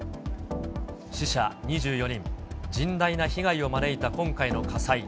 死者２４人、甚大な被害を招いた今回の火災。